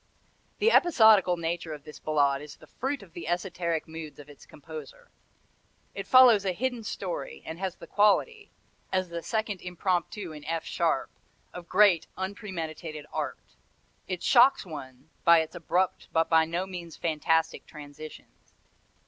The episodical nature of this Ballade is the fruit of the esoteric moods of its composer. It follows a hidden story, and has the quality as the second Impromptu in F sharp of great, unpremeditated art. It shocks one by its abrupt but by no means fantastic transitions.